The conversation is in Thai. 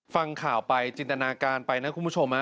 ฟังข่าวไปจินตนาการไปนะคุณผู้ชม